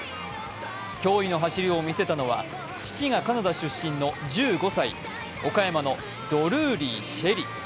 驚異の走りを見せたのは、父がカナダ出身の１５歳、岡山のドルーリー朱瑛里。